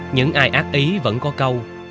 những ai ác ý vẫn có câu